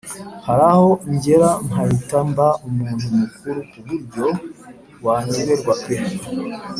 Haraho ngera nkahita mba umuntu mukuru kuburyo wanyoberwa pe